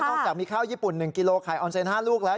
ต้องจับมีข้าวญี่ปุ่น๑กิโลกรัมไข่ออนเซน๕ลูกแล้ว